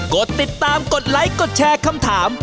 กดติดตามกดไลค์กดแชร์คำถาม